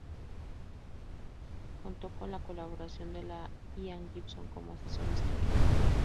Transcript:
Contó con la colaboración de Ian Gibson como asesor histórico.